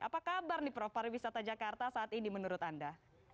apa kabar nih prof pariwisata jakarta saat ini menurut anda